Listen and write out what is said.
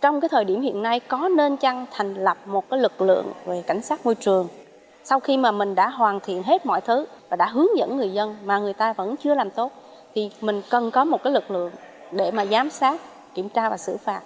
trong cái thời điểm hiện nay có nên chăng thành lập một lực lượng về cảnh sát môi trường sau khi mà mình đã hoàn thiện hết mọi thứ và đã hướng dẫn người dân mà người ta vẫn chưa làm tốt thì mình cần có một lực lượng để mà giám sát kiểm tra và xử phạt